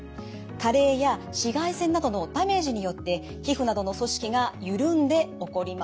加齢や紫外線などのダメージによって皮膚などの組織が緩んで起こります。